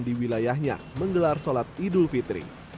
di wilayahnya menggelar sholat idul fitri